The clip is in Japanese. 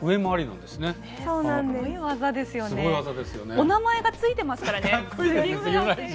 お名前がついてますからね。